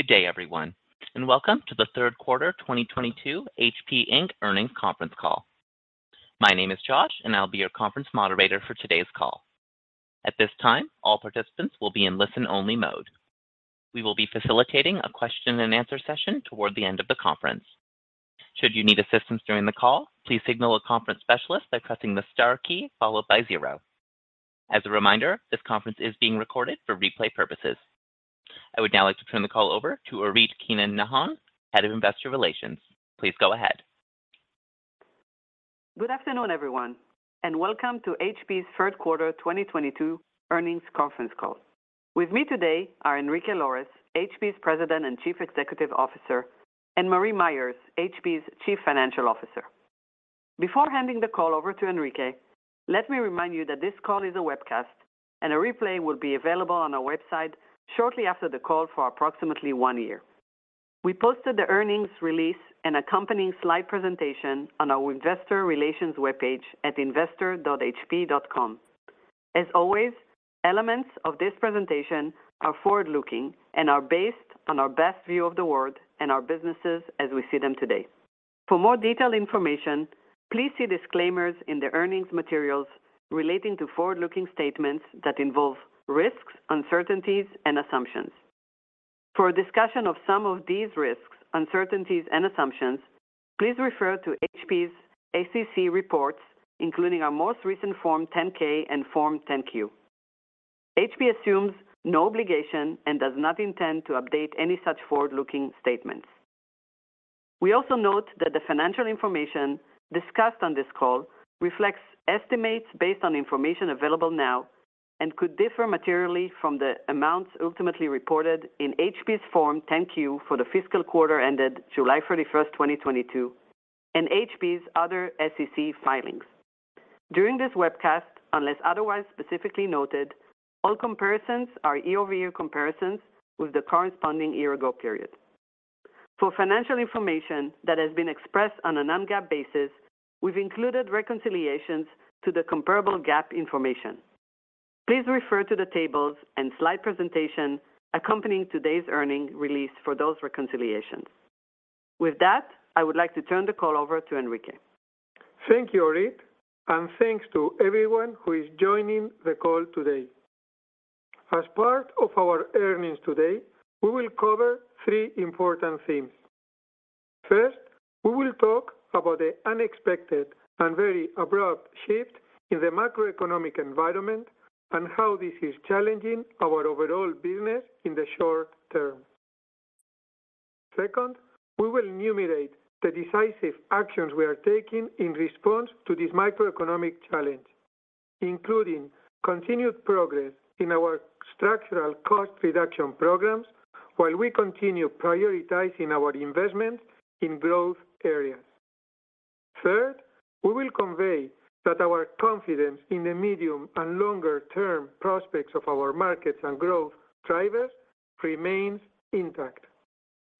Good day, everyone, and welcome to the third quarter 2022 HP Inc. earnings conference call. My name is Josh, and I'll be your conference moderator for today's call. At this time, all participants will be in listen-only mode. We will be facilitating a question and answer session toward the end of the conference. Should you need assistance during the call, please signal a conference specialist by pressing the star key followed by zero. As a reminder, this conference is being recorded for replay purposes. I would now like to turn the call over to Orit Keinan-Nahon, Head of Investor Relations. Please go ahead. Good afternoon, everyone, and welcome to HP's third quarter 2022 earnings conference call. With me today are Enrique Lores, HP's President and Chief Executive Officer, and Marie Myers, HP's Chief Financial Officer. Before handing the call over to Enrique, let me remind you that this call is a webcast, and a replay will be available on our website shortly after the call for approximately one year. We posted the earnings release and accompanying slide presentation on our investor relations webpage at investor.hp.com. As always, elements of this presentation are forward-looking and are based on our best view of the world and our businesses as we see them today. For more detailed information, please see disclaimers in the earnings materials relating to forward-looking statements that involve risks, uncertainties and assumptions. For a discussion of some of these risks, uncertainties, and assumptions, please refer to HP's SEC reports, including our most recent Form 10-K and Form 10-Q. HP assumes no obligation and does not intend to update any such forward-looking statements. We also note that the financial information discussed on this call reflects estimates based on information available now and could differ materially from the amounts ultimately reported in HP's Form 10-Q for the fiscal quarter ended July 31, 2022 and HP's other SEC filings. During this webcast, unless otherwise specifically noted, all comparisons are year-over-year comparisons with the corresponding year ago period. For financial information that has been expressed on a non-GAAP basis, we've included reconciliations to the comparable GAAP information. Please refer to the tables and slide presentation accompanying today's earnings release for those reconciliations. With that, I would like to turn the call over to Enrique. Thank you, Orit, and thanks to everyone who is joining the call today. As part of our earnings today, we will cover three important themes. First, we will talk about the unexpected and very abrupt shift in the macroeconomic environment and how this is challenging our overall business in the short term. Second, we will enumerate the decisive actions we are taking in response to this macroeconomic challenge, including continued progress in our structural cost reduction programs while we continue prioritizing our investments in growth areas. Third, we will convey that our confidence in the medium and longer term prospects of our markets and growth drivers remains intact.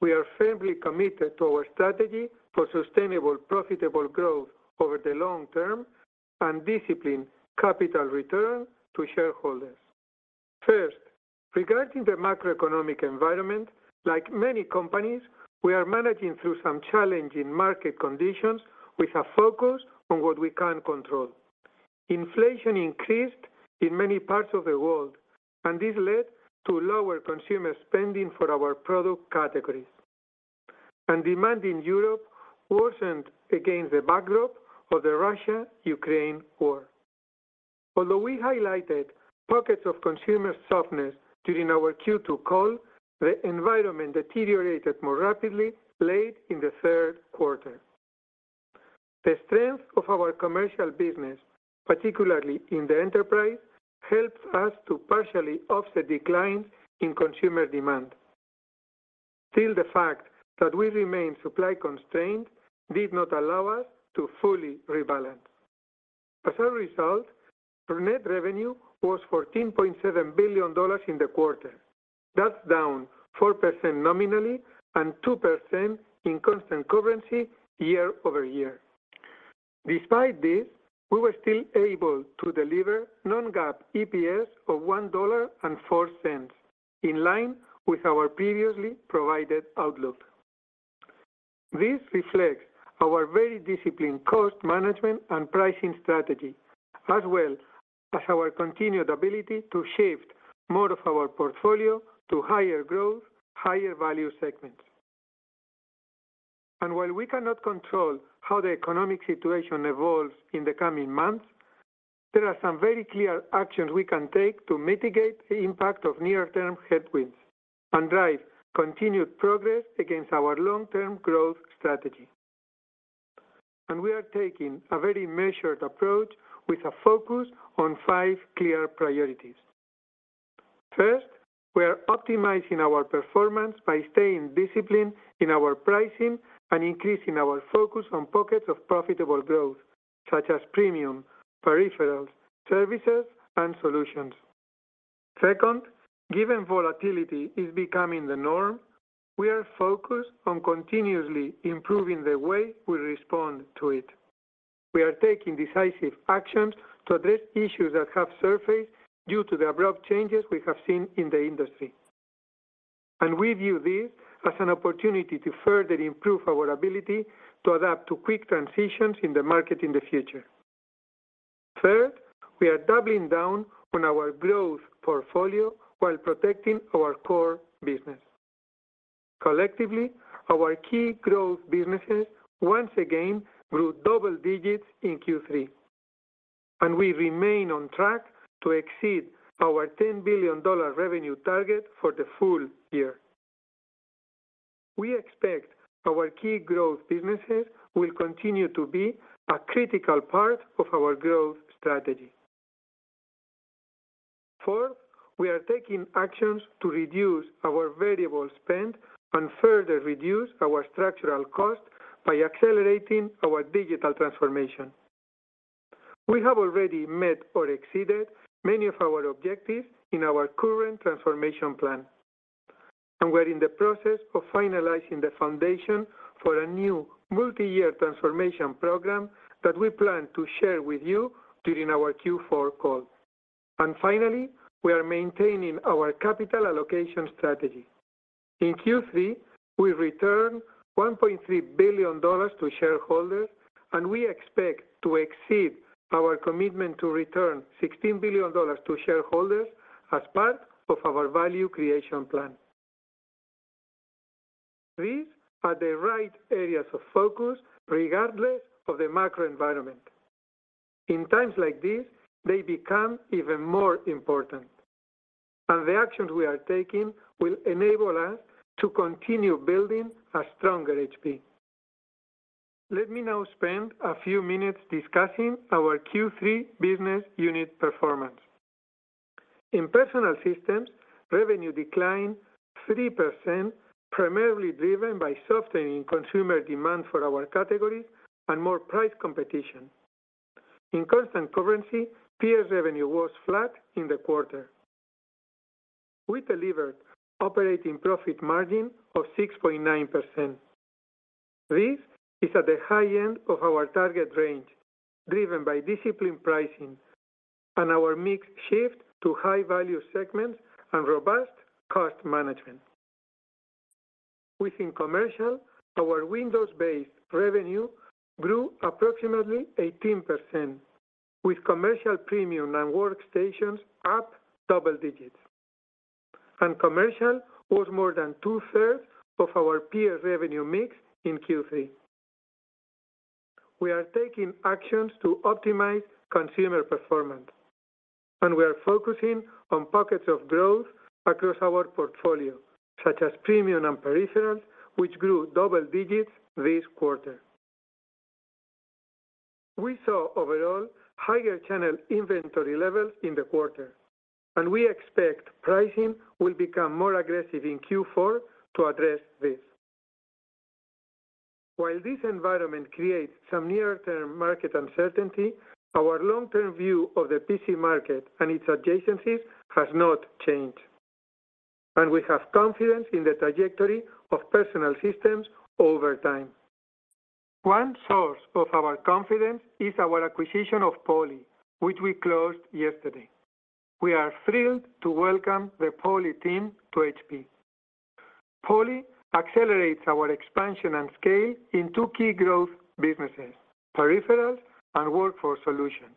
We are firmly committed to our strategy for sustainable, profitable growth over the long term and disciplined capital return to shareholders. First, regarding the macroeconomic environment, like many companies, we are managing through some challenging market conditions with a focus on what we can control. Inflation increased in many parts of the world, and this led to lower consumer spending for our product categories. Demand in Europe worsened against the backdrop of the Russia-Ukraine war. Although we highlighted pockets of consumer softness during our Q2 call, the environment deteriorated more rapidly late in the third quarter. The strength of our commercial business, particularly in the enterprise, helps us to partially offset declines in consumer demand. Still, the fact that we remain supply constrained did not allow us to fully rebalance. As a result, our net revenue was $14.7 billion in the quarter. That's down 4% nominally and 2% in constant currency year-over-year. Despite this, we were still able to deliver non-GAAP EPS of $1.04, in line with our previously provided outlook. This reflects our very disciplined cost management and pricing strategy, as well as our continued ability to shift more of our portfolio to higher growth, higher value segments. While we cannot control how the economic situation evolves in the coming months, there are some very clear actions we can take to mitigate the impact of near-term headwinds and drive continued progress against our long-term growth strategy. We are taking a very measured approach with a focus on five clear priorities. First, we are optimizing our performance by staying disciplined in our pricing and increasing our focus on pockets of profitable growth, such as premium, peripherals, services, and solutions. Second, given volatility is becoming the norm, we are focused on continuously improving the way we respond to it. We are taking decisive actions to address issues that have surfaced due to the abrupt changes we have seen in the industry. We view this as an opportunity to further improve our ability to adapt to quick transitions in the market in the future. Third, we are doubling down on our growth portfolio while protecting our core business. Collectively, our key growth businesses once again grew double digits in Q3, and we remain on track to exceed our $10 billion revenue target for the full year. We expect our key growth businesses will continue to be a critical part of our growth strategy. Fourth, we are taking actions to reduce our variable spend and further reduce our structural cost by accelerating our digital transformation. We have already met or exceeded many of our objectives in our current transformation plan, and we're in the process of finalizing the foundation for a new multi-year transformation program that we plan to share with you during our Q4 call. Finally, we are maintaining our capital allocation strategy. In Q3, we returned $1.3 billion to shareholders, and we expect to exceed our commitment to return $16 billion to shareholders as part of our value creation plan. These are the right areas of focus regardless of the macro environment. In times like this, they become even more important, and the actions we are taking will enable us to continue building a stronger HP. Let me now spend a few minutes discussing our Q3 business unit performance. In Personal Systems, revenue declined 3%, primarily driven by softening consumer demand for our categories and more price competition. In constant currency, PS revenue was flat in the quarter. We delivered operating profit margin of 6.9%. This is at the high end of our target range, driven by disciplined pricing and our mix shift to high-value segments and robust cost management. Within Commercial, our Windows-based revenue grew approximately 18%, with commercial premium and workstations up double digits. Commercial was more than two-thirds of our PS revenue mix in Q3. We are taking actions to optimize consumer performance, and we are focusing on pockets of growth across our portfolio, such as premium and peripherals, which grew double digits this quarter. We saw overall higher channel inventory levels in the quarter, and we expect pricing will become more aggressive in Q4 to address this. While this environment creates some near-term market uncertainty, our long-term view of the PC market and its adjacencies has not changed, and we have confidence in the trajectory of Personal Systems over time. One source of our confidence is our acquisition of Poly, which we closed yesterday. We are thrilled to welcome the Poly team to HP. Poly accelerates our expansion and scale in two key growth businesses, peripherals and workforce solutions.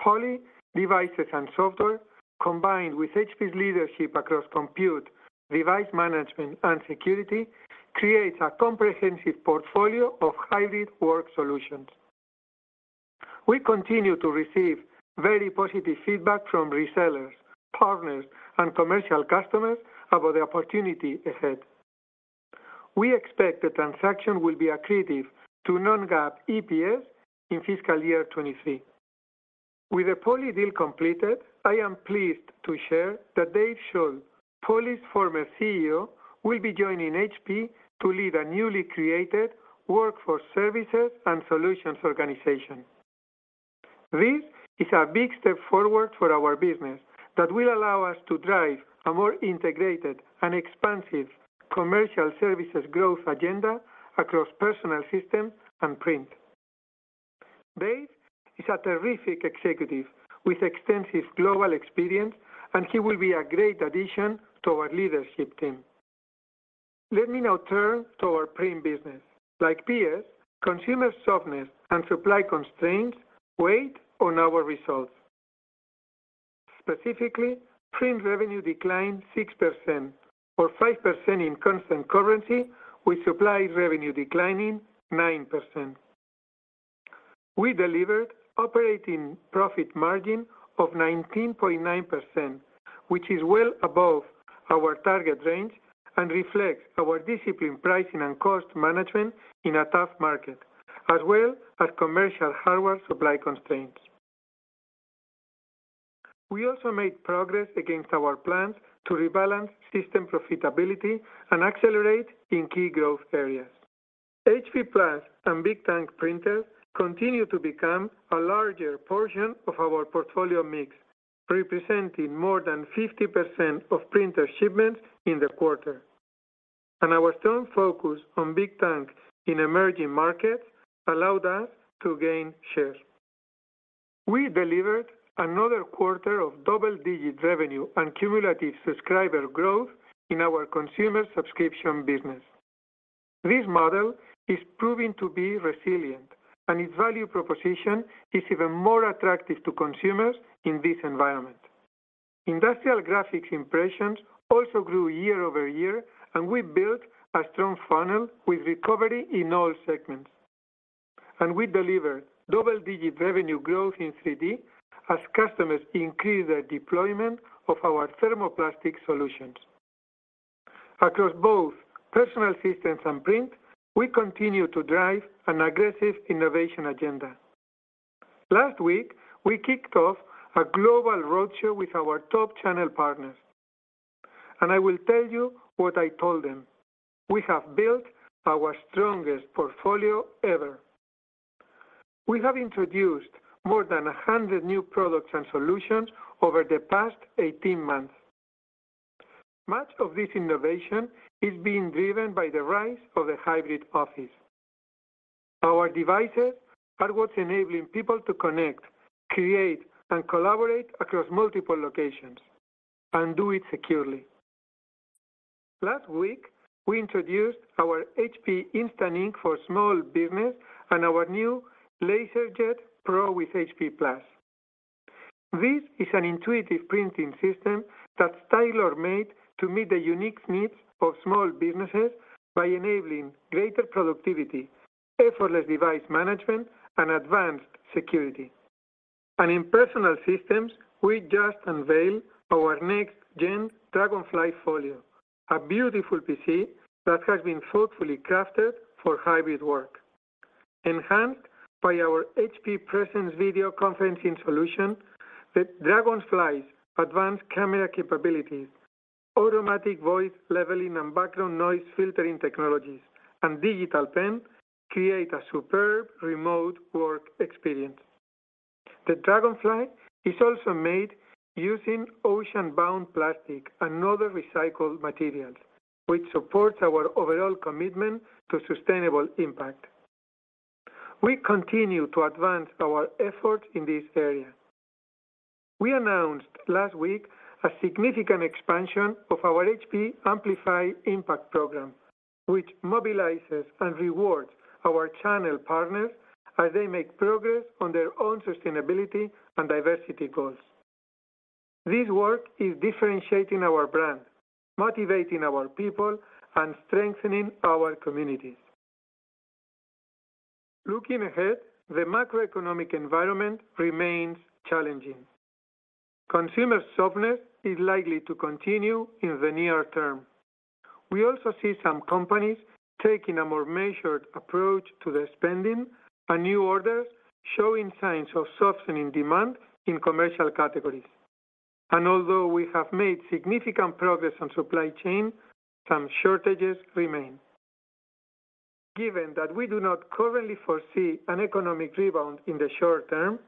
Poly devices and software, combined with HP's leadership across compute, device management, and security, creates a comprehensive portfolio of hybrid work solutions. We continue to receive very positive feedback from resellers, partners, and commercial customers about the opportunity ahead. We expect the transaction will be accretive to non-GAAP EPS in fiscal year 2023. With the Poly deal completed, I am pleased to share that Dave Shull, Poly's former CEO, will be joining HP to lead a newly created Workforce Services and Solutions organization. This is a big step forward for our business that will allow us to drive a more integrated and expansive commercial services growth agenda across Personal Systems and Print. Dave is a terrific executive with extensive global experience, and he will be a great addition to our leadership team. Let me now turn to our Print business. Like PS, consumer softness and supply constraints weighed on our results. Specifically, Print revenue declined 6% or 5% in constant currency, with supplies revenue declining 9%. We delivered operating profit margin of 19.9%, which is well above our target range and reflects our disciplined pricing and cost management in a tough market, as well as commercial hardware supply constraints. We also made progress against our plans to rebalance system profitability and accelerate in key growth areas. HP+ and Smart Tank printers continue to become a larger portion of our portfolio mix, representing more than 50% of printer shipments in the quarter. Our strong focus on Smart Tanks in emerging markets allowed us to gain share. We delivered another quarter of double-digit revenue and cumulative subscriber growth in our consumer subscription business. This model is proving to be resilient, and its value proposition is even more attractive to consumers in this environment. Industrial graphics impressions also grew year-over-year, and we built a strong funnel with recovery in all segments. We delivered double-digit revenue growth in 3D as customers increase their deployment of our thermoplastic solutions. Across both Personal Systems and Print, we continue to drive an aggressive innovation agenda. Last week, we kicked off a global roadshow with our top channel partners, and I will tell you what I told them. We have built our strongest portfolio ever. We have introduced more than 100 new products and solutions over the past 18 months. Much of this innovation is being driven by the rise of the hybrid office. Our devices are what's enabling people to connect, create, and collaborate across multiple locations and do it securely. Last week, we introduced our HP Instant Ink for small business and our new LaserJet Pro with HP+. This is an intuitive printing system that's tailor-made to meet the unique needs of small businesses by enabling greater productivity, effortless device management, and advanced security. In Personal Systems, we just unveiled our next-gen Dragonfly Folio, a beautiful PC that has been thoughtfully crafted for hybrid work. Enhanced by our HP Presence video conferencing solution, the Dragonfly's advanced camera capabilities, automatic voice leveling, and background noise filtering technologies, and digital pen create a superb remote work experience. The Dragonfly is also made using ocean-bound plastic and other recycled materials, which supports our overall commitment to sustainable impact. We continue to advance our efforts in this area. We announced last week a significant expansion of our HP Amplify Impact program, which mobilizes and rewards our channel partners as they make progress on their own sustainability and diversity goals. This work is differentiating our brand, motivating our people, and strengthening our communities. Looking ahead, the macroeconomic environment remains challenging. Consumer softness is likely to continue in the near term. We also see some companies taking a more measured approach to their spending and new orders, showing signs of softening demand in commercial categories. Although we have made significant progress on supply chain, some shortages remain. Given that we do not currently foresee an economic rebound in the short term,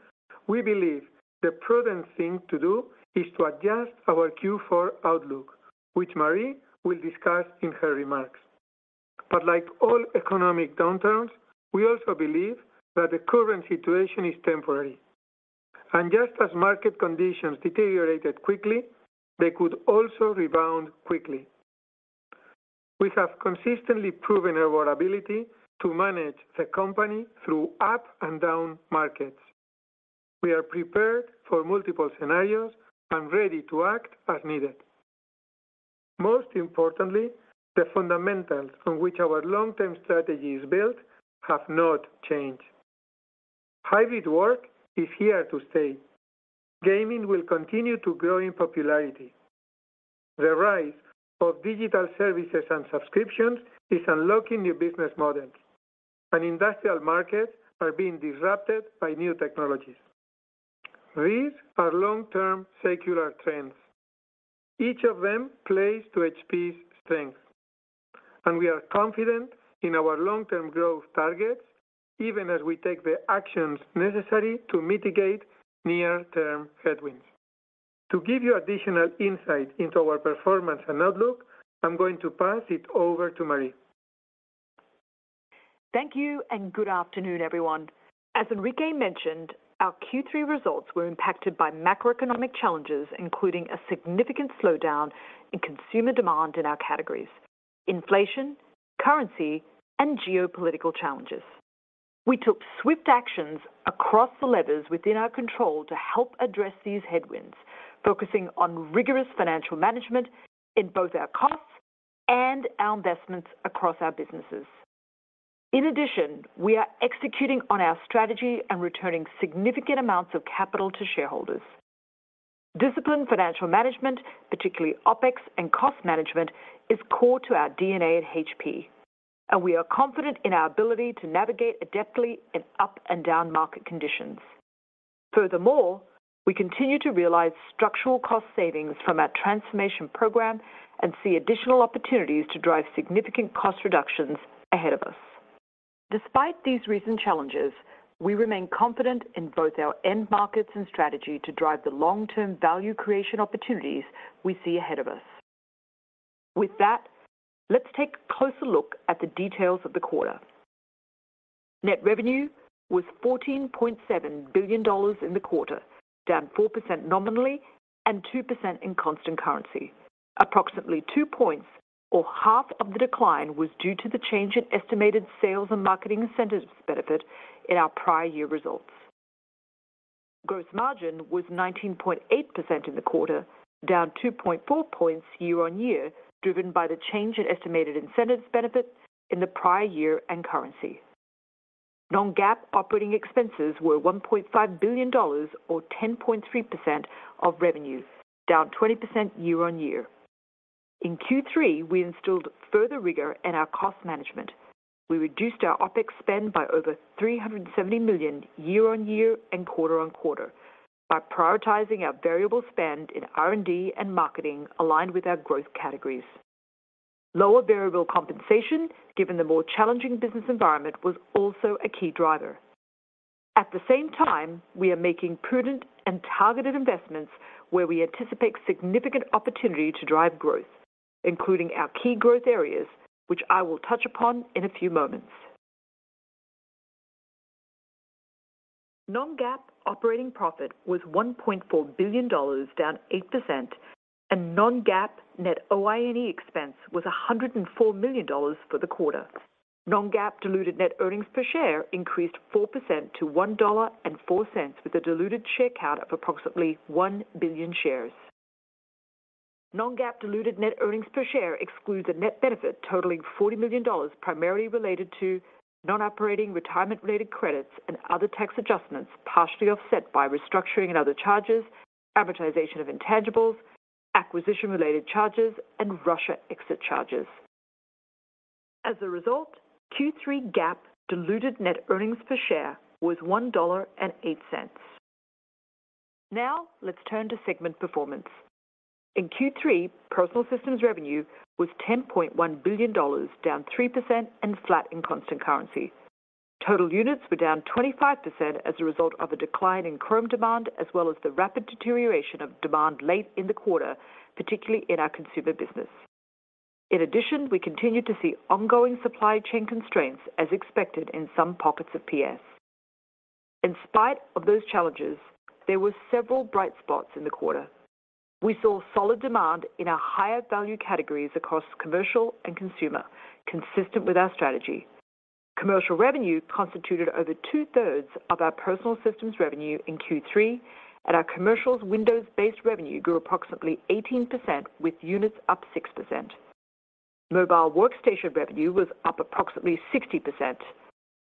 we believe the prudent thing to do is to adjust our Q4 outlook, which Marie will discuss in her remarks. Like all economic downturns, we also believe that the current situation is temporary. Just as market conditions deteriorated quickly, they could also rebound quickly. We have consistently proven our ability to manage the company through up and down markets. We are prepared for multiple scenarios and ready to act as needed. Most importantly, the fundamentals on which our long-term strategy is built have not changed. Hybrid work is here to stay. Gaming will continue to grow in popularity. The rise of digital services and subscriptions is unlocking new business models. Industrial markets are being disrupted by new technologies. These are long-term secular trends. Each of them plays to HP's strength, and we are confident in our long-term growth targets even as we take the actions necessary to mitigate near-term headwinds. To give you additional insight into our performance and outlook, I'm going to pass it over to Marie. Thank you and good afternoon, everyone. As Enrique mentioned, our Q3 results were impacted by macroeconomic challenges, including a significant slowdown in consumer demand in our categories, inflation, currency, and geopolitical challenges. We took swift actions across the levers within our control to help address these headwinds, focusing on rigorous financial management in both our costs and our investments across our businesses. In addition, we are executing on our strategy and returning significant amounts of capital to shareholders. Disciplined financial management, particularly OpEx and cost management, is core to our DNA at HP, and we are confident in our ability to navigate adeptly in up and down market conditions. Furthermore, we continue to realize structural cost savings from our transformation program and see additional opportunities to drive significant cost reductions ahead of us. Despite these recent challenges, we remain confident in both our end markets and strategy to drive the long-term value creation opportunities we see ahead of us. With that, let's take a closer look at the details of the quarter. Net revenue was $14.7 billion in the quarter, down 4% nominally and 2% in constant currency. Approximately two points or half of the decline was due to the change in estimated sales and marketing incentives benefit in our prior year results. Gross margin was 19.8% in the quarter, down 2.4 points year-on-year, driven by the change in estimated incentives benefit in the prior year and currency. Non-GAAP operating expenses were $1.5 billion or 10.3% of revenue, down 20% year-on-year. In Q3, we installed further rigor in our cost management. We reduced our OpEx spend by over $370 million year-on-year and quarter-on-quarter by prioritizing our variable spend in R&D and marketing aligned with our growth categories. Lower variable compensation, given the more challenging business environment, was also a key driver. At the same time, we are making prudent and targeted investments where we anticipate significant opportunity to drive growth, including our key growth areas, which I will touch upon in a few moments. Non-GAAP operating profit was $1.4 billion, down 8%, and non-GAAP net OINE expense was $104 million for the quarter. non-GAAP diluted net earnings per share increased 4% to $1.04, with a diluted share count of approximately 1 billion shares. non-GAAP diluted net earnings per share excludes a net benefit totaling $40 million, primarily related to non-operating retirement-related credits and other tax adjustments, partially offset by restructuring and other charges, amortization of intangibles, acquisition-related charges, and Russia exit charges. As a result, Q3 GAAP diluted net earnings per share was $1.08. Now let's turn to segment performance. In Q3, Personal Systems revenue was $10.1 billion, down 3% and flat in constant currency. Total units were down 25% as a result of a decline in ChromeOS demand, as well as the rapid deterioration of demand late in the quarter, particularly in our consumer business. In addition, we continued to see ongoing supply chain constraints as expected in some pockets of PS. In spite of those challenges, there were several bright spots in the quarter. We saw solid demand in our higher value categories across commercial and consumer, consistent with our strategy. Commercial revenue constituted over two-thirds of our Personal Systems revenue in Q3, and our commercial Windows-based revenue grew approximately 18%, with units up 6%. Mobile workstation revenue was up approximately 60%.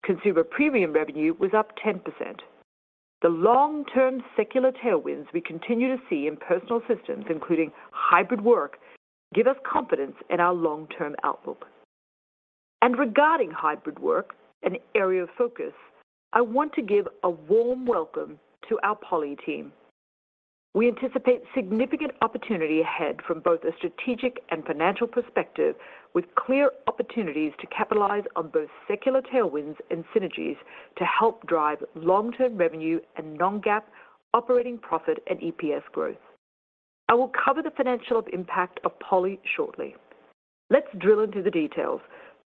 Consumer premium revenue was up 10%. The long-term secular tailwinds we continue to see in Personal Systems, including hybrid work, give us confidence in our long-term outlook. Regarding hybrid work, an area of focus, I want to give a warm welcome to our Poly team. We anticipate significant opportunity ahead from both a strategic and financial perspective, with clear opportunities to capitalize on both secular tailwinds and synergies to help drive long-term revenue and non-GAAP operating profit and EPS growth. I will cover the financial impact of Poly shortly. Let's drill into the details.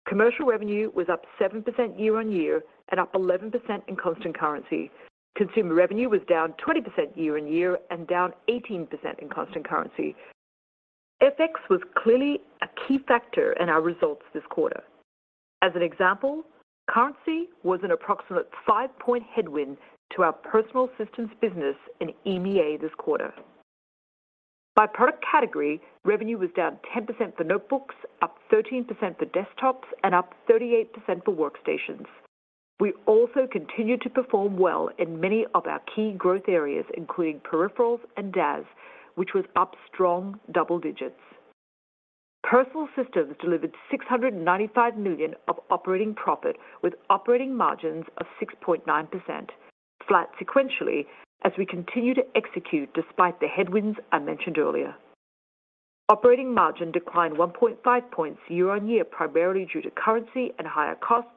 Commercial revenue was up 7% year-on-year and up 11% in constant currency. Consumer revenue was down 20% year-on-year and down 18% in constant currency. FX was clearly a key factor in our results this quarter. As an example, currency was an approximate 5-point headwind to our Personal Systems business in EMEA this quarter. By product category, revenue was down 10% for notebooks, up 13% for desktops, and up 38% for workstations. We also continued to perform well in many of our key growth areas, including peripherals and DaaS, which was up strong double digits. Personal Systems delivered $695 million of operating profit with operating margins of 6.9%, flat sequentially as we continue to execute despite the headwinds I mentioned earlier. Operating margin declined 1.5 points year-on-year, primarily due to currency and higher costs,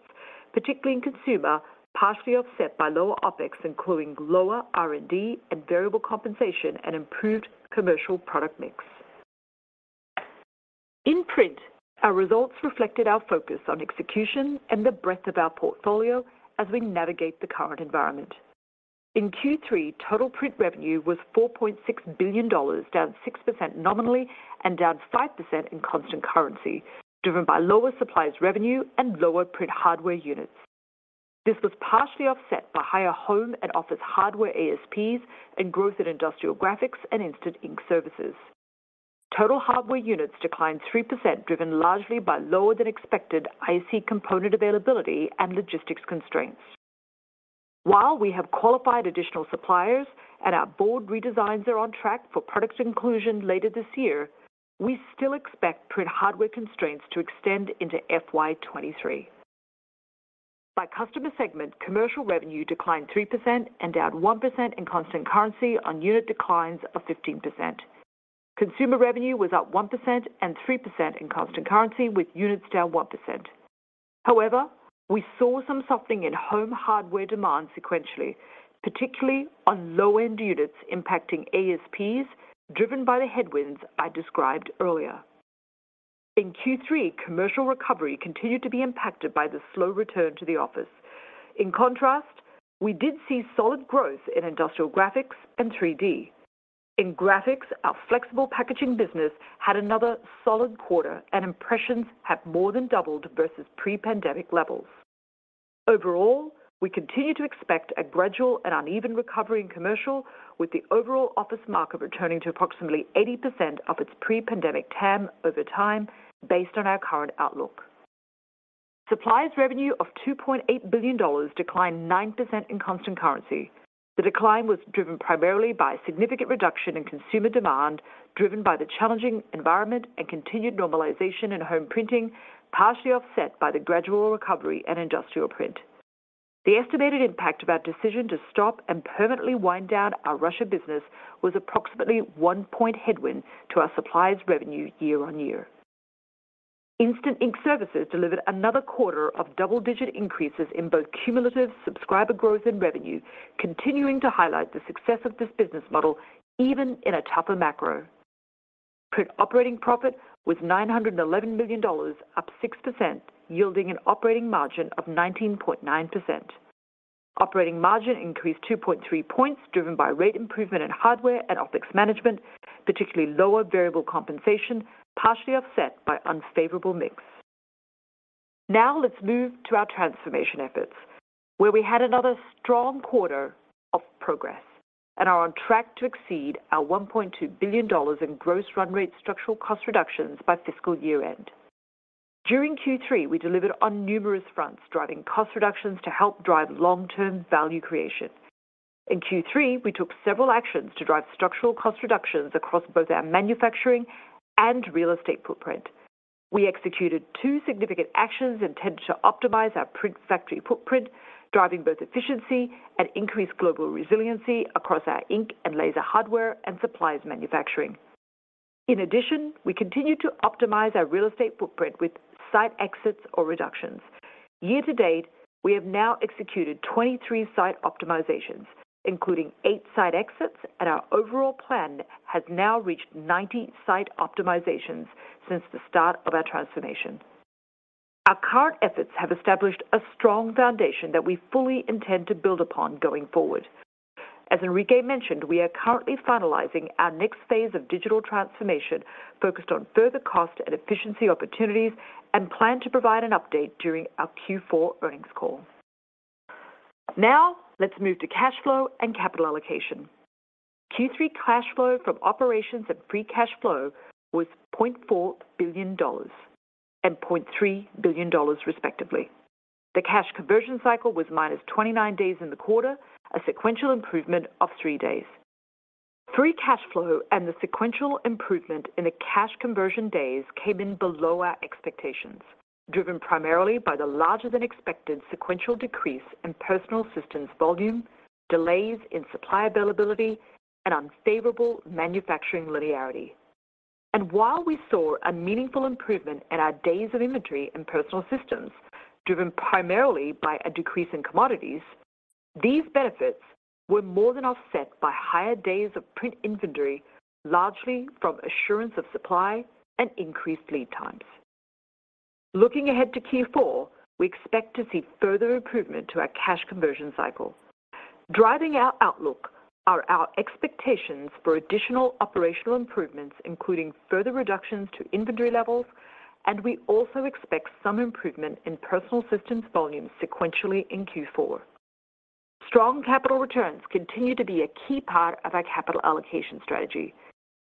particularly in consumer, partially offset by lower OpEx, including lower R&D and variable compensation and improved commercial product mix. In Print, our results reflected our focus on execution and the breadth of our portfolio as we navigate the current environment. In Q3, total Print revenue was $4.6 billion, down 6% nominally and down 5% in constant currency, driven by lower supplies revenue and lower Print hardware units. This was partially offset by higher home and office hardware ASPs and growth in industrial graphics and Instant Ink services. Total hardware units declined 3%, driven largely by lower than expected IC component availability and logistics constraints. While we have qualified additional suppliers and our board redesigns are on track for product inclusion later this year, we still expect Print hardware constraints to extend into FY 2023. By customer segment, commercial revenue declined 3% and down 1% in constant currency on unit declines of 15%. Consumer revenue was up 1% and 3% in constant currency with units down 1%. However, we saw some softening in home hardware demand sequentially, particularly on low-end units impacting ASPs, driven by the headwinds I described earlier. In Q3, commercial recovery continued to be impacted by the slow return to the office. In contrast, we did see solid growth in industrial graphics and 3D. In graphics, our flexible packaging business had another solid quarter, and impressions have more than doubled versus pre-pandemic levels. Overall, we continue to expect a gradual and uneven recovery in commercial, with the overall office market returning to approximately 80% of its pre-pandemic TAM over time based on our current outlook. Supplies revenue of $2.8 billion declined 9% in constant currency. The decline was driven primarily by significant reduction in consumer demand, driven by the challenging environment and continued normalization in home printing, partially offset by the gradual recovery in industrial print. The estimated impact of our decision to stop and permanently wind down our Russia business was approximately 1% headwind to our supplies revenue year-on-year. Instant Ink services delivered another quarter of double-digit increases in both cumulative subscriber growth and revenue, continuing to highlight the success of this business model even in a tougher macro. Print operating profit was $911 million, up 6%, yielding an operating margin of 19.9%. Operating margin increased 2.3 points, driven by rate improvement in hardware and OpEx management, particularly lower variable compensation, partially offset by unfavorable mix. Now let's move to our transformation efforts, where we had another strong quarter of progress and are on track to exceed our $1.2 billion in gross run rate structural cost reductions by fiscal year-end. During Q3, we delivered on numerous fronts, driving cost reductions to help drive long-term value creation. In Q3, we took several actions to drive structural cost reductions across both our manufacturing and real estate footprint. We executed two significant actions intended to optimize our print factory footprint, driving both efficiency and increased global resiliency across our ink and laser hardware and supplies manufacturing. In addition, we continued to optimize our real estate footprint with site exits or reductions. Year to date, we have now executed 23 site optimizations, including eight site exits, and our overall plan has now reached 90 site optimizations since the start of our transformation. Our current efforts have established a strong foundation that we fully intend to build upon going forward. As Enrique mentioned, we are currently finalizing our next phase of digital transformation focused on further cost and efficiency opportunities and plan to provide an update during our Q4 earnings call. Now let's move to cash flow and capital allocation. Q3 cash flow from operations and free cash flow was $0.4 billion and $0.3 billion respectively. The cash conversion cycle was minus 29 days in the quarter, a sequential improvement of three days. Free cash flow and the sequential improvement in the cash conversion days came in below our expectations, driven primarily by the larger than expected sequential decrease in Personal Systems volume, delays in supply availability, and unfavorable manufacturing linearity. While we saw a meaningful improvement in our days of inventory in Personal Systems, driven primarily by a decrease in commodities, these benefits were more than offset by higher days of print inventory, largely from assurance of supply and increased lead times. Looking ahead to Q4, we expect to see further improvement to our cash conversion cycle. Driving our outlook are our expectations for additional operational improvements, including further reductions to inventory levels, and we also expect some improvement in Personal Systems volumes sequentially in Q4. Strong capital returns continue to be a key part of our capital allocation strategy.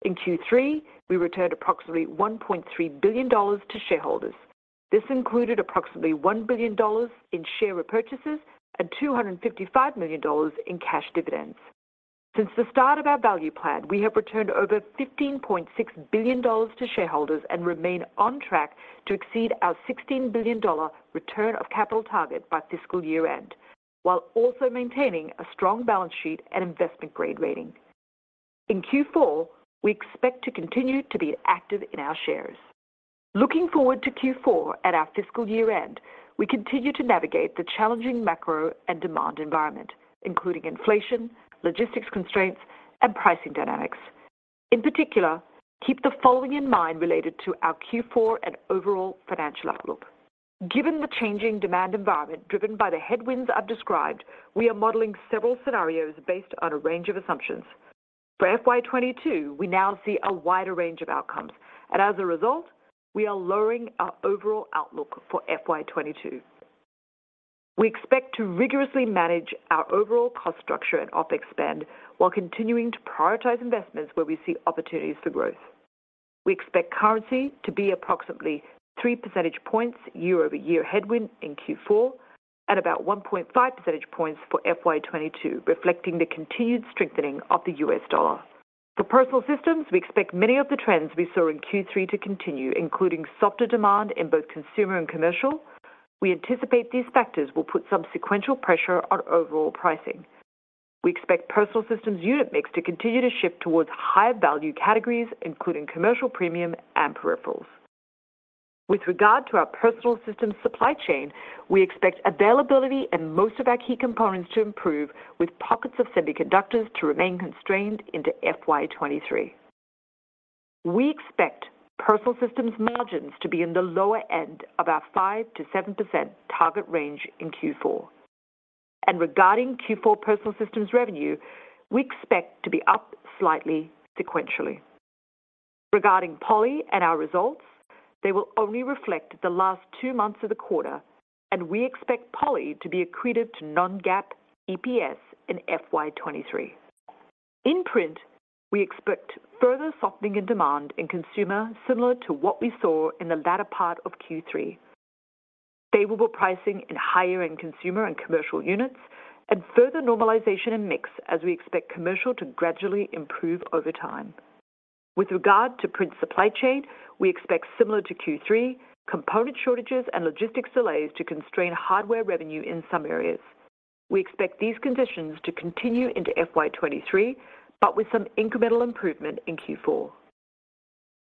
In Q3, we returned approximately $1.3 billion to shareholders. This included approximately $1 billion in share repurchases and $255 million in cash dividends. Since the start of our value plan, we have returned over $15.6 billion to shareholders and remain on track to exceed our $16 billion return of capital target by fiscal year-end, while also maintaining a strong balance sheet and investment-grade rating. In Q4, we expect to continue to be active in our shares. Looking forward to Q4 at our fiscal year-end, we continue to navigate the challenging macro and demand environment, including inflation, logistics constraints, and pricing dynamics. In particular, keep the following in mind related to our Q4 and overall financial outlook. Given the changing demand environment driven by the headwinds I've described, we are modeling several scenarios based on a range of assumptions. For FY 2022, we now see a wider range of outcomes, and as a result, we are lowering our overall outlook for FY 2022. We expect to rigorously manage our overall cost structure and OpEx spend while continuing to prioritize investments where we see opportunities for growth. We expect currency to be approximately three percentage points year-over-year headwind in Q4 and about 1.5 percentage points for FY 2022, reflecting the continued strengthening of the US dollar. For Personal Systems, we expect many of the trends we saw in Q3 to continue, including softer demand in both consumer and commercial. We anticipate these factors will put some sequential pressure on overall pricing. We expect Personal Systems unit mix to continue to shift towards higher value categories, including commercial premium and peripherals. With regard to our Personal Systems supply chain, we expect availability in most of our key components to improve, with pockets of semiconductors to remain constrained into FY 2023. We expect Personal Systems margins to be in the lower end of our 5%-7% target range in Q4. Regarding Q4 Personal Systems revenue, we expect to be up slightly sequentially. Regarding Poly and our results, they will only reflect the last two months of the quarter, and we expect Poly to be accretive to non-GAAP EPS in FY 2023. In Print, we expect further softening in demand in consumer, similar to what we saw in the latter part of Q3. Favorable pricing in higher end consumer and commercial units and further normalization in mix as we expect commercial to gradually improve over time. With regard to Print supply chain, we expect similar to Q3, component shortages and logistics delays to constrain hardware revenue in some areas. We expect these conditions to continue into FY 2023, but with some incremental improvement in Q4.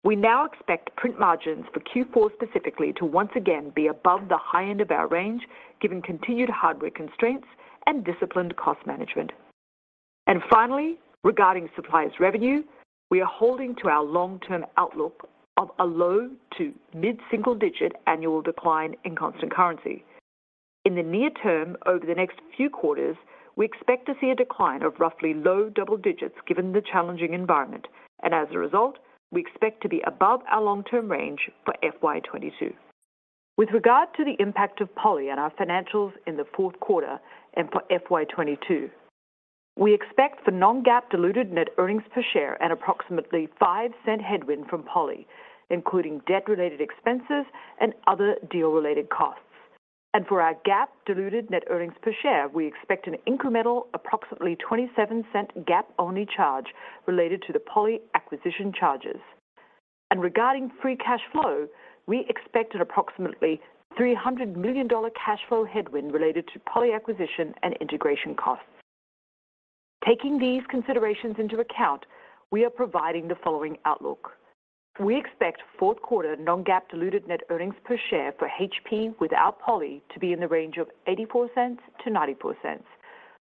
We now expect Print margins for Q4 specifically to once again be above the high end of our range, given continued hardware constraints and disciplined cost management. Finally, regarding Supplies revenue, we are holding to our long-term outlook of a low- to mid-single-digit annual decline in constant currency. In the near term, over the next few quarters, we expect to see a decline of roughly low double digits given the challenging environment. As a result, we expect to be above our long-term range for FY 2022. With regard to the impact of Poly on our financials in the fourth quarter and for FY 2022, we expect for non-GAAP diluted net earnings per share an approximately $0.05 headwind from Poly, including debt-related expenses and other deal-related costs. For our GAAP diluted net earnings per share, we expect an incremental approximately $0.27 GAAP-only charge related to the Poly acquisition charges. Regarding free cash flow, we expect an approximately $300 million cash flow headwind related to Poly acquisition and integration costs. Taking these considerations into account, we are providing the following outlook. We expect fourth quarter non-GAAP diluted net earnings per share for HP without Poly to be in the range of $0.84-$0.94.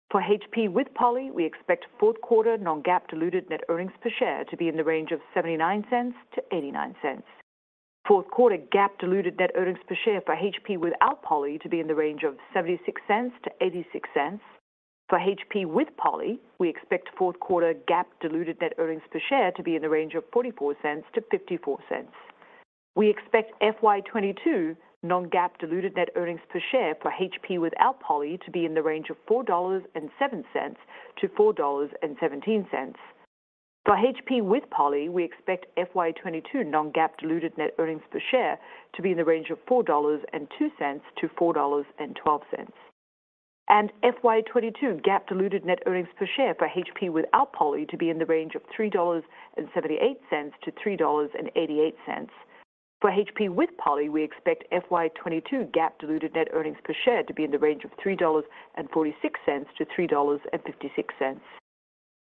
For HP with Poly, we expect fourth quarter non-GAAP diluted net earnings per share to be in the range of $0.79-$0.89. Fourth quarter GAAP diluted net earnings per share for HP without Poly to be in the range of $0.76-$0.86. For HP with Poly, we expect fourth quarter GAAP diluted net earnings per share to be in the range of $0.44-$0.54. We expect FY 2022 non-GAAP diluted net earnings per share for HP without Poly to be in the range of $4.07-$4.17. For HP with Poly, we expect FY 2022 non-GAAP diluted net earnings per share to be in the range of $4.02-$4.12. FY 2022 GAAP diluted net earnings per share for HP without Poly to be in the range of $3.78-$3.88. For HP with Poly, we expect FY 2022 GAAP diluted net earnings per share to be in the range of $3.46-$3.56.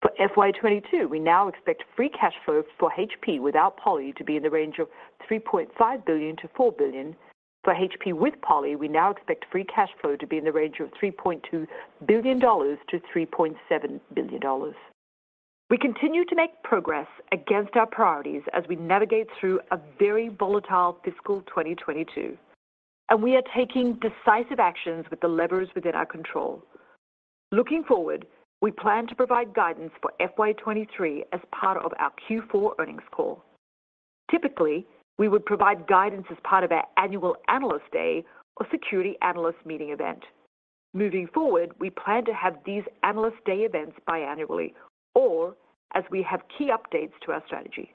For FY 2022, we now expect free cash flow for HP without Poly to be in the range of $3.5 billion-$4 billion. For HP with Poly, we now expect free cash flow to be in the range of $3.2 billion-$3.7 billion. We continue to make progress against our priorities as we navigate through a very volatile fiscal 2022, and we are taking decisive actions with the levers within our control. Looking forward, we plan to provide guidance for FY 2023 as part of our Q4 earnings call. Typically, we would provide guidance as part of our annual Analyst Day or Securities Analyst Meeting event. Moving forward, we plan to have these Analyst Day events biannually or as we have key updates to our strategy.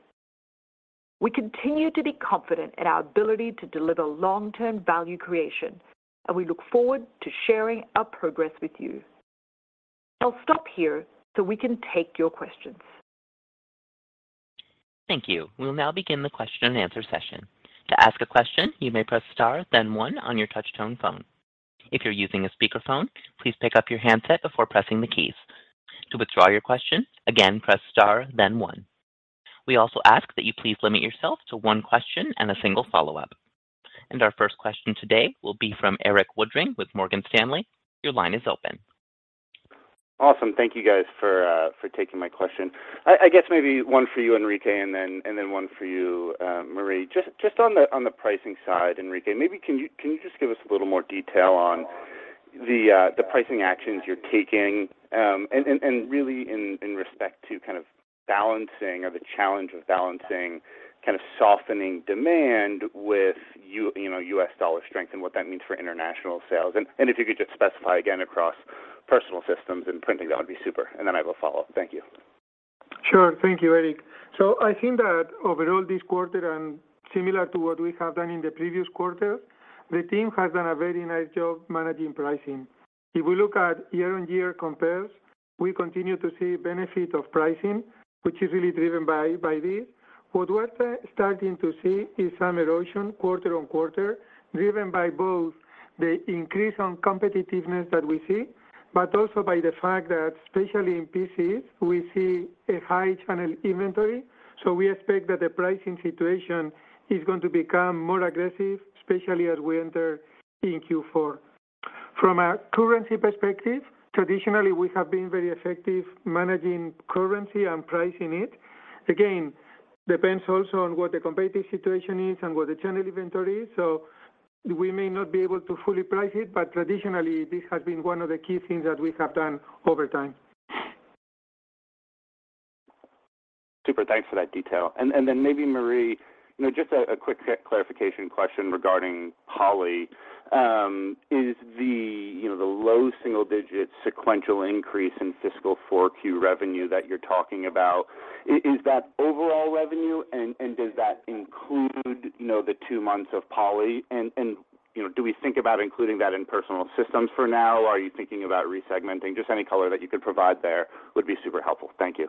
We continue to be confident in our ability to deliver long-term value creation, and we look forward to sharing our progress with you. I'll stop here so we can take your questions. Thank you. We'll now begin the question and answer session. To ask a question, you may press star then one on your touch-tone phone. If you're using a speakerphone, please pick up your handset before pressing the keys. To withdraw your question, again, press star then one. We also ask that you please limit yourself to one question and a single follow-up. Our first question today will be from Erik Woodring with Morgan Stanley, your line is open. Awesome. Thank you guys for taking my question. I guess maybe one for you, Enrique, and then one for you, Marie. Just on the pricing side, Enrique, maybe can you give us a little more detail on the pricing actions you're taking, and really in respect to kind of balancing or the challenge of balancing kind of softening demand with U.S. dollar strength, you know, and what that means for international sales. If you could just specify again across Personal Systems and Printing, that would be super, and then I will follow up. Thank you. Sure. Thank you, Erik. I think that overall this quarter and similar to what we have done in the previous quarter, the team has done a very nice job managing pricing. If we look at year-on-year compares, we continue to see benefit of pricing, which is really driven by this. What we're starting to see is some erosion quarter-over-quarter, driven by both the increase in competitiveness that we see, but also by the fact that especially in PCs, we see a high channel inventory. We expect that the pricing situation is going to become more aggressive, especially as we enter in Q4. From a currency perspective, traditionally, we have been very effective managing currency and pricing it. Again, depends also on what the competitive situation is and what the channel inventory is. We may not be able to fully price it, but traditionally this has been one of the key things that we have done over time. Super. Thanks for that detail. Maybe Marie, you know, just a quick clarification question regarding Poly. Is the you know the low single digit sequential increase in fiscal 4Q revenue that you're talking about, is that overall revenue and does that include you know the 2 months of Poly and you know do we think about including that in Personal Systems for now? Or are you thinking about re-segmenting? Just any color that you could provide there would be super helpful. Thank you.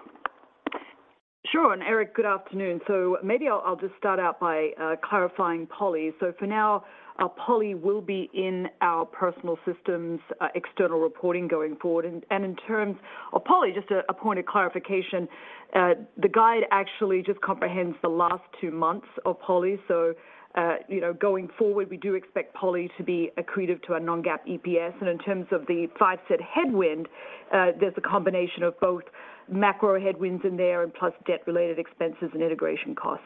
Sure. Erik, good afternoon. Maybe I'll just start out by clarifying Poly. For now, Poly will be in our Personal Systems external reporting going forward. In terms of Poly, just a point of clarification, the guide actually just comprehends the last two months of Poly. You know, going forward, we do expect Poly to be accretive to our non-GAAP EPS. In terms of the $0.05 headwind, there's a combination of both macro headwinds in there and plus debt related expenses and integration costs.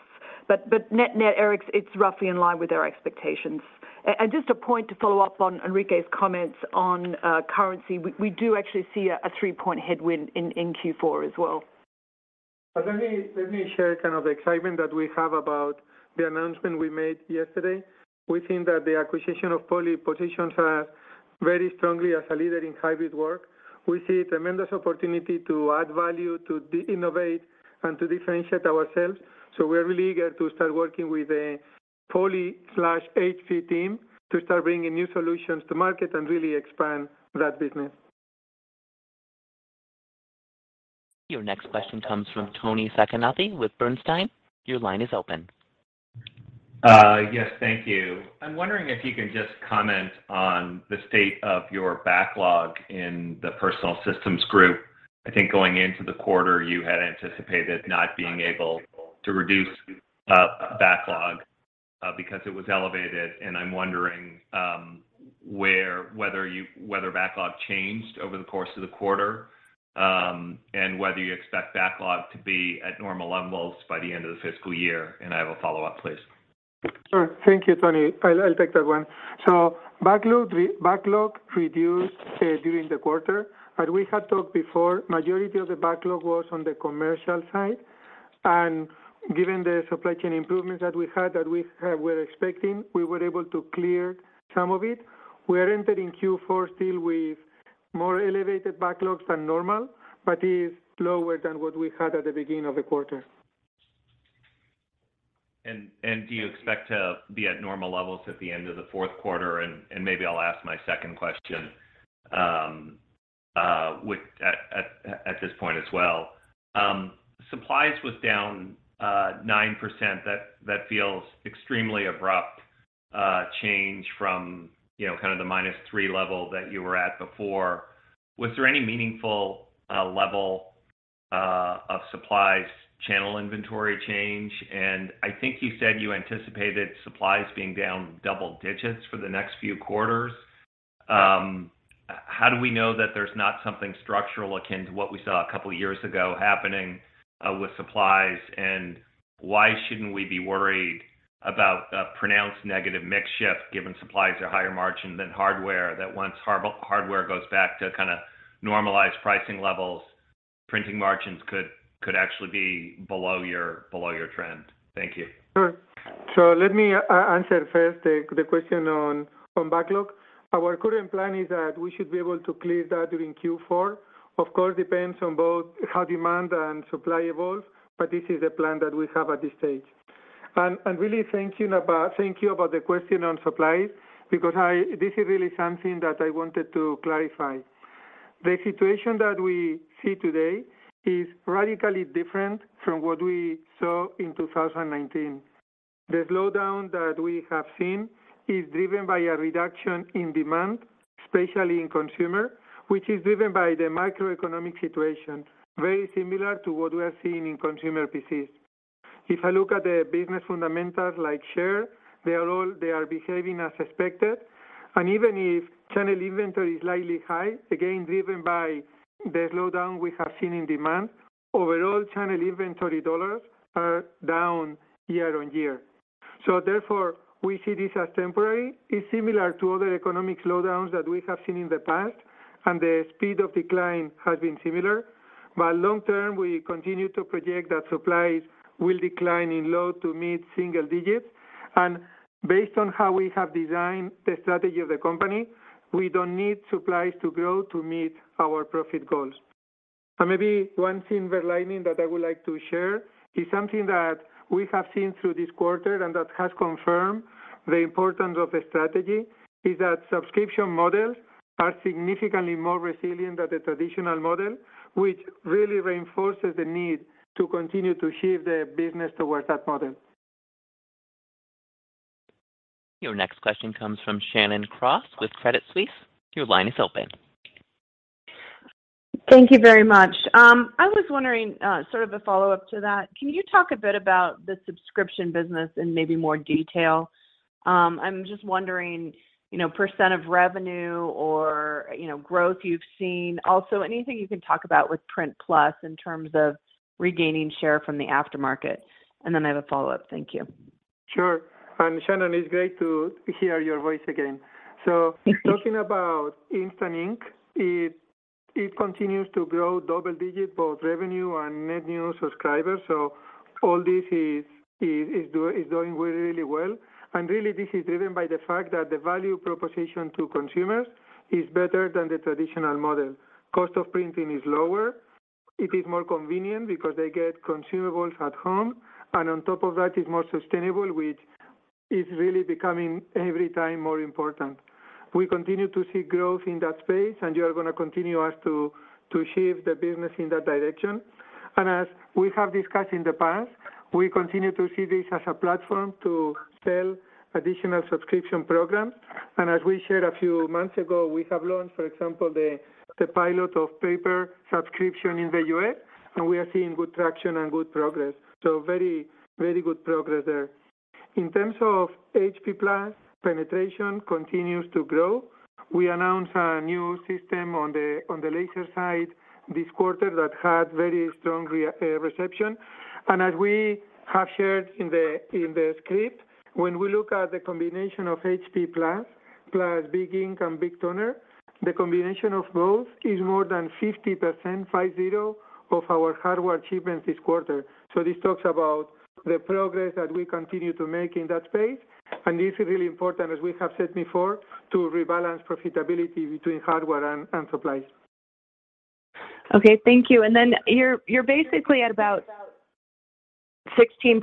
Net-net, Erik's, it's roughly in line with our expectations. Just a point to follow up on Enrique's comments on currency. We do actually see a 3-point headwind in Q4 as well. Let me share kind of the excitement that we have about the announcement we made yesterday. We think that the acquisition of Poly positions us very strongly as a leader in hybrid work. We see a tremendous opportunity to add value, to innovate, and to differentiate ourselves. We are really eager to start working with the Poly/HP team to start bringing new solutions to market and really expand that business. Your next question comes from Toni Sacconaghi with Bernstein. Your line is open. Yes, thank you. I'm wondering if you can just comment on the state of your backlog in the Personal Systems group. I think going into the quarter, you had anticipated not being able to reduce backlog because it was elevated, and I'm wondering whether backlog changed over the course of the quarter, and whether you expect backlog to be at normal levels by the end of the fiscal year. I have a follow-up, please. Sure. Thank you, Tony. I'll take that one. Backlog reduced during the quarter, but we had talked before, majority of the backlog was on the commercial side. Given the supply chain improvements that we had that we were expecting, we were able to clear some of it. We are entering Q4 still with more elevated backlogs than normal, but it's lower than what we had at the beginning of the quarter. Do you expect to be at normal levels at the end of the fourth quarter? Maybe I'll ask my second question with that at this point as well. Supplies was down 9%. That feels extremely abrupt change from, you know, kind of the -3% level that you were at before. Was there any meaningful level of supplies channel inventory change? I think you said you anticipated supplies being down double digits for the next few quarters. How do we know that there's not something structural akin to what we saw a couple of years ago happening with supplies? Why shouldn't we be worried about a pronounced negative mix shift given supplies are higher margin than hardware? That once hardware goes back to kinda normalized pricing levels, printing margins could actually be below your trend. Thank you. Sure. Let me answer first the question on backlog. Our current plan is that we should be able to clear that during Q4. Of course, depends on both how demand and supply evolves, but this is the plan that we have at this stage. Really thank you about the question on supplies because this is really something that I wanted to clarify. The situation that we see today is radically different from what we saw in 2019. The slowdown that we have seen is driven by a reduction in demand, especially in consumer, which is driven by the macroeconomic situation, very similar to what we are seeing in consumer PCs. If I look at the business fundamentals like share, they are behaving as expected. Even if channel inventory is slightly high, again, driven by the slowdown we have seen in demand, overall channel inventory dollars are down year-over-year. Therefore, we see this as temporary. It's similar to other economic slowdowns that we have seen in the past, and the speed of decline has been similar. Long-term, we continue to project that supplies will decline in low- to mid-single digits. Based on how we have designed the strategy of the company, we don't need supplies to grow to meet our profit goals. Maybe one silver lining that I would like to share is something that we have seen through this quarter and that has confirmed the importance of the strategy: subscription models are significantly more resilient than the traditional model, which really reinforces the need to continue to shift the business towards that model. Your next question comes from Shannon Cross with Credit Suisse, your line is open. Thank you very much. I was wondering, sort of a follow-up to that. Can you talk a bit about the subscription business in maybe more detail? I'm just wondering, you know, percent of revenue or, you know, growth you've seen. Also, anything you can talk about with HP+ in terms of regaining share from the aftermarket. I have a follow-up. Thank you. Sure. Shannon, it's great to hear your voice again. Thank you. Talking about Instant Ink, it continues to grow double digits, both revenue and net new subscribers. All this is doing really well. Really this is driven by the fact that the value proposition to consumers is better than the traditional model. Cost of printing is lower, it is more convenient because they get consumables at home, and on top of that, it's more sustainable, which is really becoming every time more important. We continue to see growth in that space, and we're gonna continue to shift the business in that direction. As we have discussed in the past, we continue to see this as a platform to sell additional subscription programs. As we shared a few months ago, we have learned, for example, the pilot of paper subscription in the U.S, and we are seeing good traction and good progress. Very good progress there. In terms of HP+, penetration continues to grow. We announced a new system on the laser side this quarter that had very strong reception. As we have shared in the script, when we look at the combination of HP+ plus big ink and big toner, the combination of both is more than 50% of our hardware shipments this quarter. This talks about the progress that we continue to make in that space, and this is really important, as we have said before, to rebalance profitability between hardware and supplies. Okay. Thank you. Then you're basically at about $16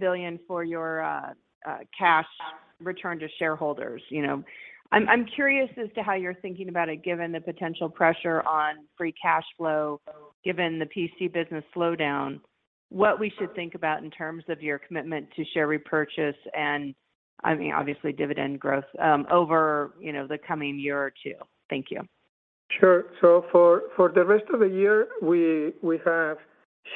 billion for your cash return to shareholders, you know. I'm curious as to how you're thinking about it, given the potential pressure on free cash flow, given the PC business slowdown, what we should think about in terms of your commitment to share repurchase and, I mean, obviously dividend growth, over, you know, the coming year or two. Thank you. Sure. For the rest of the year, we have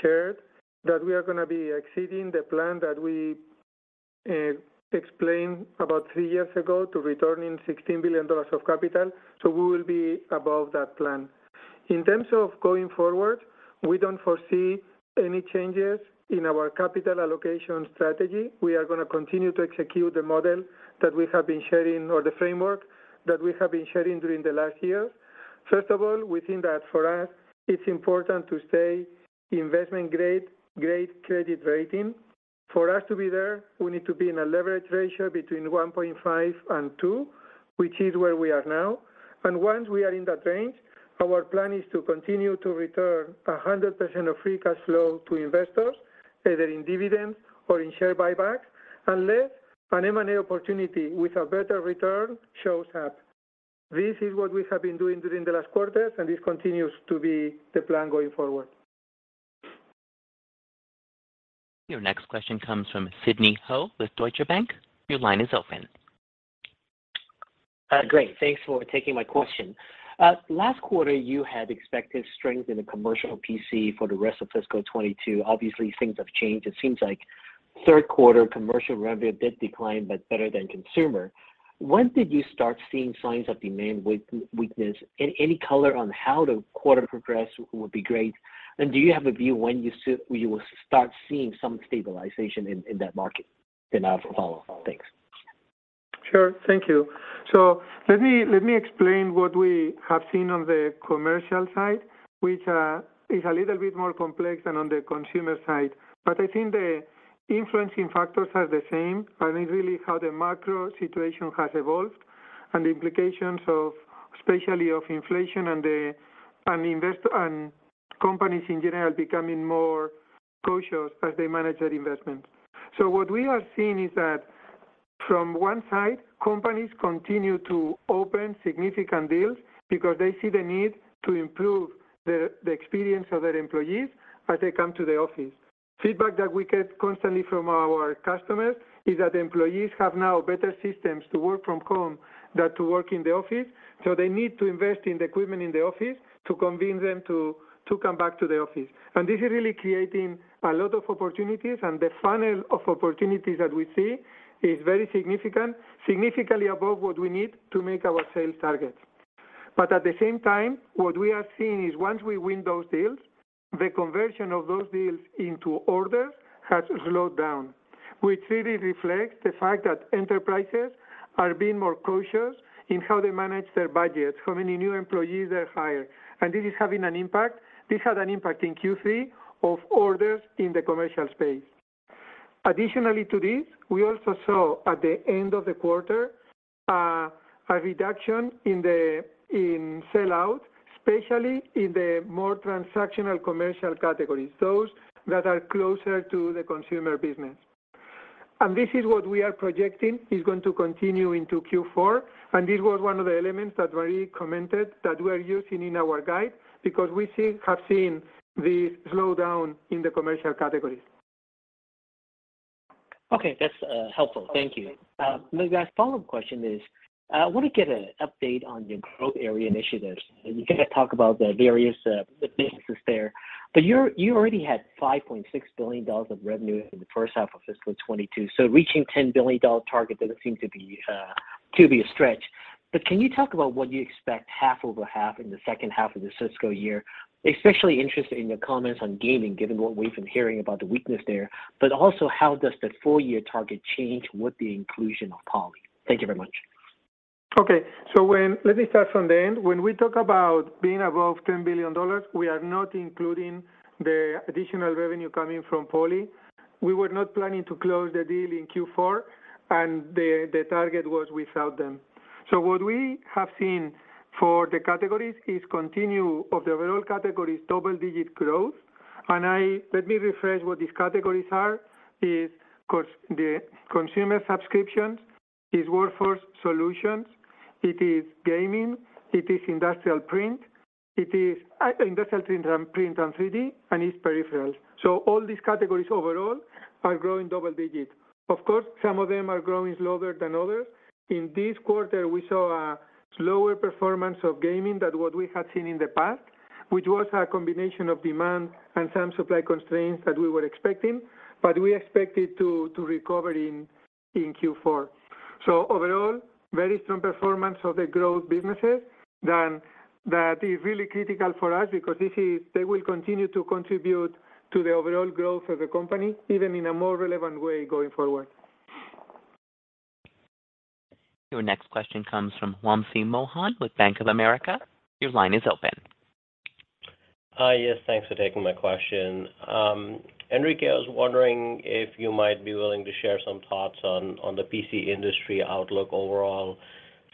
shared that we are gonna be exceeding the plan that we explained about three years ago to returning $16 billion of capital, so we will be above that plan. In terms of going forward, we don't foresee any changes in our capital allocation strategy. We are gonna continue to execute the model that we have been sharing, or the framework that we have been sharing during the last years. First of all, we think that for us it's important to stay investment grade credit rating. For us to be there, we need to be in a leverage ratio between 1.5 and two, which is where we are now. Once we are in that range, our plan is to continue to return 100% of free cash flow to investors, either in dividends or in share buybacks, unless an M&A opportunity with a better return shows up. This is what we have been doing during the last quarters, and this continues to be the plan going forward. Your next question comes from Sidney Ho with Deutsche Bank, your line is open. Great. Thanks for taking my question. Last quarter, you had expected strength in the commercial PC for the rest of fiscal 2022. Obviously things have changed. It seems like third quarter commercial revenue did decline, but better than consumer. When did you start seeing signs of demand weakness, and any color on how the quarter progressed would be great. Do you have a view when you will start seeing some stabilization in that market? I have a follow-up. Thanks. Sure. Thank you. Let me explain what we have seen on the commercial side, which is a little bit more complex than on the consumer side. I think the influencing factors are the same, and it's really how the macro situation has evolved and the implications of, especially of inflation and the, and companies in general becoming more cautious as they manage their investments. What we are seeing is that from one side, companies continue to open significant deals because they see the need to improve the experience of their employees as they come to the office. Feedback that we get constantly from our customers is that employees have now better systems to work from home than to work in the office, so they need to invest in the equipment in the office to convince them to come back to the office. This is really creating a lot of opportunities, and the funnel of opportunities that we see is very significant, significantly above what we need to make our sales targets. At the same time, what we are seeing is once we win those deals, the conversion of those deals into orders has slowed down, which really reflects the fact that enterprises are being more cautious in how they manage their budgets, how many new employees they hire. This is having an impact. This had an impact in Q3 of orders in the commercial space. Additionally to this, we also saw at the end of the quarter, a reduction in the sell-out, especially in the more transactional commercial categories, those that are closer to the consumer business. This is what we are projecting is going to continue into Q4, and this was one of the elements that Marie commented that we are using in our guide because we have seen the slowdown in the commercial categories. Okay. That's helpful. Thank you. My last follow-up question is, I want to get an update on your growth area initiatives. You kinda talk about the various businesses there, but you already had $5.6 billion of revenue in the first half of fiscal 2022, so reaching $10 billion target doesn't seem to be a stretch. But can you talk about what you expect half-over-half in the second half of the fiscal year? Especially interested in your comments on gaming, given what we've been hearing about the weakness there, but also how does the full year target change with the inclusion of Poly? Thank you very much. Let me start from the end. When we talk about being above $10 billion, we are not including the additional revenue coming from Poly. We were not planning to close the deal in Q4, and the target was without them. What we have seen for the categories is continuation of the overall categories double-digit growth. Let me refresh what these categories are: consumer subscriptions, workforce solutions, gaming, industrial print, industrial print and 3D, and peripherals. All these categories overall are growing double digits. Of course, some of them are growing slower than others. In this quarter, we saw a slower performance of gaming than what we had seen in the past, which was a combination of demand and some supply constraints that we were expecting, but we expect it to recover in Q4. Overall, very strong performance of the growth businesses. That is really critical for us because they will continue to contribute to the overall growth of the company, even in a more relevant way going forward. Your next question comes from Wamsi Mohan with Bank of America. Your line is open. Yes, thanks for taking my question. Enrique, I was wondering if you might be willing to share some thoughts on the PC industry outlook overall.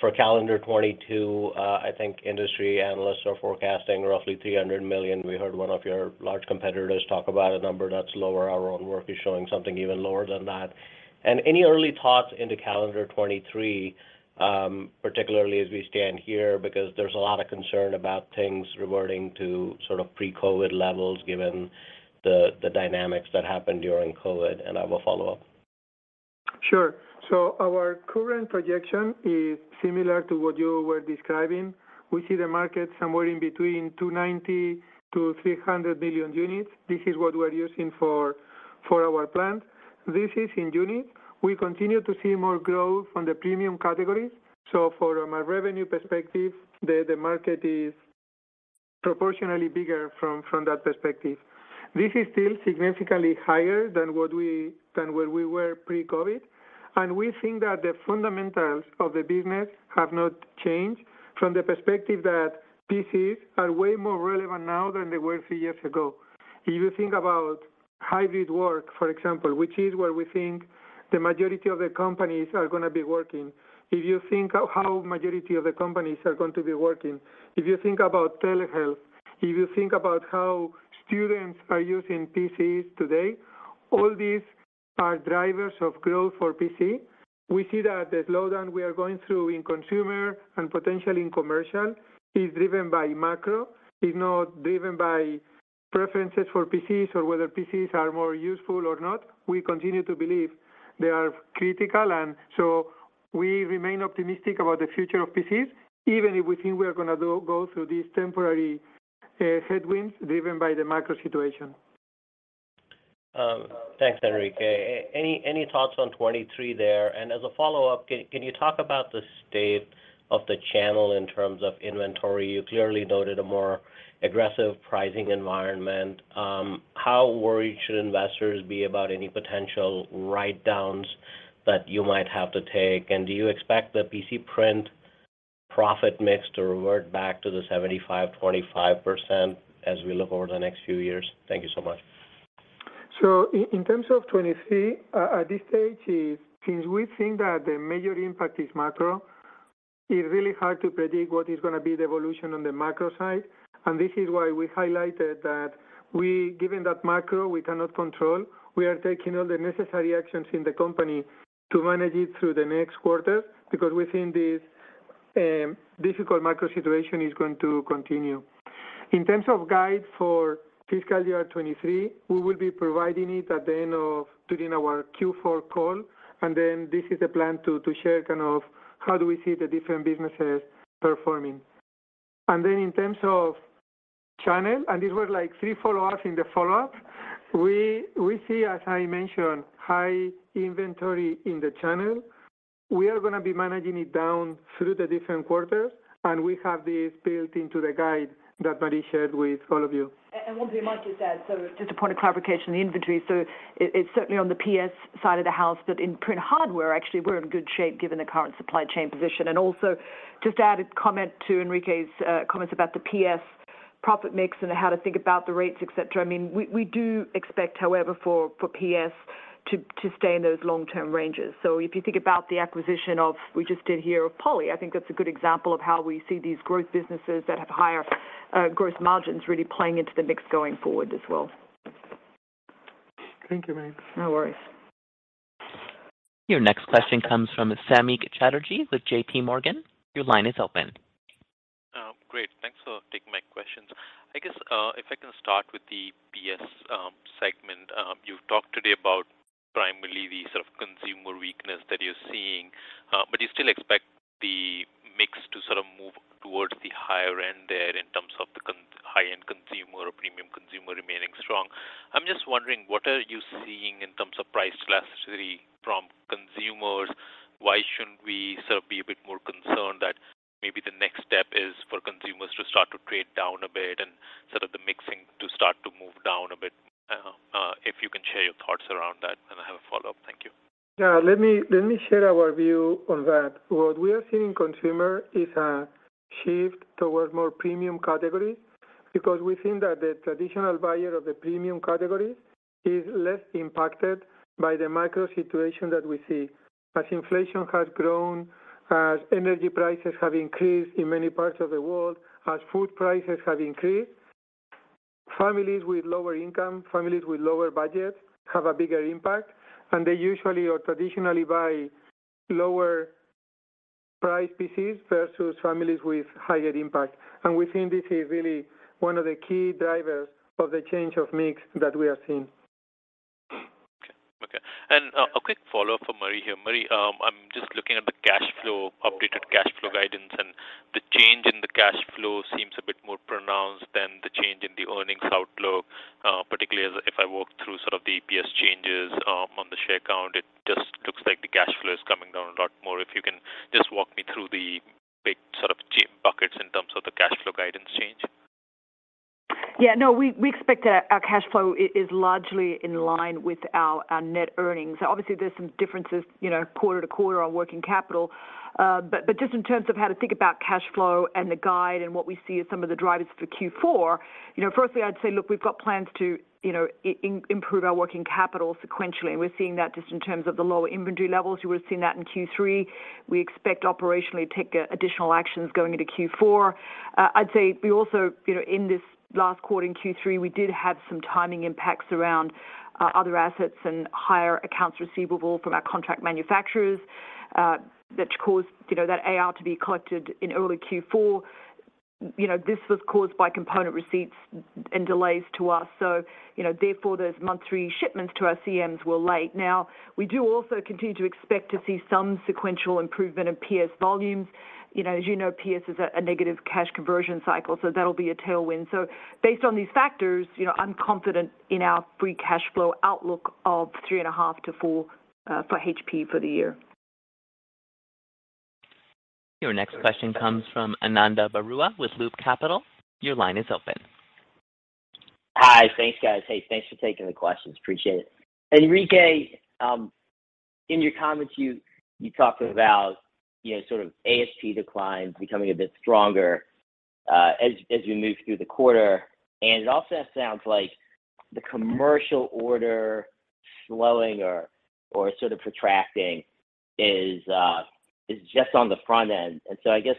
For calendar 2022, I think industry analysts are forecasting roughly 300 million. We heard one of your large competitors talk about a number that's lower. Our own work is showing something even lower than that. Any early thoughts into calendar 2023, particularly as we stand here, because there's a lot of concern about things reverting to sort of pre-COVID levels, given the dynamics that happened during COVID, and I will follow up. Sure. Our current projection is similar to what you were describing. We see the market somewhere in between 290-300 billion units. This is what we're using for our plans. This is in units. We continue to see more growth on the premium categories. From a revenue perspective, the market is proportionally bigger from that perspective. This is still significantly higher than where we were pre-COVID. We think that the fundamentals of the business have not changed from the perspective that PCs are way more relevant now than they were three years ago. If you think about hybrid work, for example, which is where we think the majority of the companies are gonna be working. If you think of how majority of the companies are going to be working, if you think about telehealth, if you think about how students are using PCs today, all these are drivers of growth for PC. We see that the slowdown we are going through in consumer and potentially in commercial is driven by macro, is not driven by preferences for PCs or whether PCs are more useful or not. We continue to believe they are critical, and so we remain optimistic about the future of PCs, even if we think we are gonna go through these temporary headwinds driven by the macro situation. Thanks, Enrique. Any thoughts on 2023 there?. As a follow-up, can you talk about the state of the channel in terms of inventory? You clearly noted a more aggressive pricing environment. How worried should investors be about any potential writedowns that you might have to take? Do you expect the PC print profit mix to revert back to the 75-25% as we look over the next few years? Thank you so much. In terms of 2023, at this stage, it's since we think that the major impact is macro, it's really hard to predict what is gonna be the evolution on the macro side. This is why we highlighted that given that macro we cannot control, we are taking all the necessary actions in the company to manage it through the next quarter because we think this difficult macro situation is going to continue. In terms of guidance for fiscal year 2023, we will be providing it during our Q4 call, and then this is a plan to share kind of how do we see the different businesses performing. In terms of channel, and these were like three follow-ups in the follow-up, we see, as I mentioned, high inventory in the channel. We are gonna be managing it down through the different quarters, and we have this built into the guide that Marie shared with all of you. Wamsi, might just add, so just a point of clarification, the inventory. It's certainly on the PS side of the house, but in print hardware, actually, we're in good shape given the current supply chain position. Also just to add a comment to Enrique's comments about the PS. Profit mix and how to think about the rates, et cetera. I mean, we do expect, however, for PS to stay in those long-term ranges. If you think about the acquisition of Poly, I think that's a good example of how we see these growth businesses that have higher gross margins really playing into the mix going forward as well. Thank you, Marie. No worries. Your next question comes from Samik Chatterjee with JPMorgan, your line is open. Great. Thanks for taking my questions. I guess, if I can start with the PS segment. You've talked today about primarily the sort of consumer weakness that you're seeing, but you still expect the mix to sort of move towards the higher end there in terms of the high-end consumer or premium consumer remaining strong. I'm just wondering, what are you seeing in terms of price elasticity from consumers? Why shouldn't we sort of be a bit more concerned that maybe the next step is for consumers to start to trade down a bit and sort of the mix to start to move down a bit? If you can share your thoughts around that, and I have a follow-up. Thank you. Yeah. Let me share our view on that. What we are seeing in consumer is a shift towards more premium categories because we think that the traditional buyer of the premium categories is less impacted by the macro situation that we see. As inflation has grown, as energy prices have increased in many parts of the world, as food prices have increased, families with lower income, families with lower budgets have a bigger impact, and they usually or traditionally buy lower price PCs versus families with higher income. We think this is really one of the key drivers of the change of mix that we are seeing. Okay. A quick follow-up for Marie here. Marie, I'm just looking at the cash flow, updated cash flow guidance, and the change in the cash flow seems a bit more pronounced than the change in the earnings outlook, particularly as if I walk through sort of the PS changes, on the share count, it just looks like the cash flow is coming down a lot more. If you can just walk me through the big sort of buckets in terms of the cash flow guidance change. We expect our cash flow is largely in line with our net earnings. Obviously, there's some differences, you know, quarter to quarter on working capital. Just in terms of how to think about cash flow and the guide and what we see as some of the drivers for Q4, you know, firstly, I'd say, look, we've got plans to, you know, improve our working capital sequentially, and we're seeing that just in terms of the lower inventory levels. You would've seen that in Q3. We expect operationally take additional actions going into Q4. I'd say we also, you know, in this last quarter in Q3, we did have some timing impacts around other assets and higher accounts receivable from our contract manufacturers, which caused, you know, that AR to be collected in early Q4. You know, this was caused by component receipts and delays to us. You know, therefore those month three shipments to our CMs were late. Now, we do also continue to expect to see some sequential improvement in PS volumes. You know, as you know, PS is a negative cash conversion cycle, so that'll be a tailwind. Based on these factors, you know, I'm confident in our free cash flow outlook of $3.5-$4 for HP for the year. Your next question comes from Ananda Baruah with Loop Capital, your line is open. Hi. Thanks, guys. Hey, thanks for taking the questions. Appreciate it. Enrique, in your comments, you talked about, you know, sort of ASP declines becoming a bit stronger, as you move through the quarter, and it also sounds like the commercial order slowing or sort of protracting is just on the front end. I guess